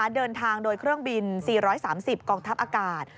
เดินทางโดยเครื่องบิน๔๓๐กองทัพอากาศ